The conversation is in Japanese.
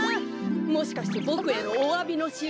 もしかしてボクへのおわびのしるしなのかな。